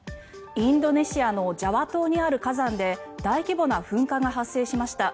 インドネシアのジャワ島にある火山で大規模な噴火が発生しました。